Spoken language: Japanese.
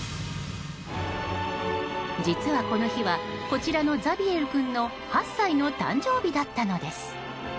実は、この日はこちらのザビエル君の８歳の誕生日だったのです。